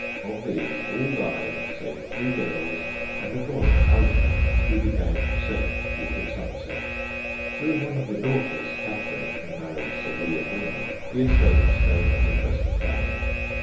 Of these all died save three girls, and a boy, Algernon, who became seventh Duke of Somerset. Through one of the daughters, Catherine, who married Sir William Wyndham, the estates fell to the present family.